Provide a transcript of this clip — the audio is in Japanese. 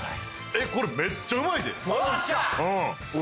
えっこれめっちゃうまいでよっしゃ！